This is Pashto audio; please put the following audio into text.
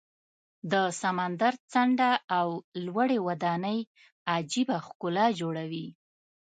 د سمندر څنډه او لوړې ودانۍ عجیبه ښکلا جوړوي.